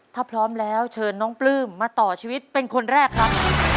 ถ้าพร้อมแล้วเชิญน้องปลื้มมาต่อชีวิตเป็นคนแรกครับ